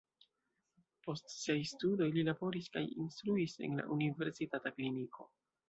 Post siaj studoj li laboris kaj instruis en la universitata kliniko.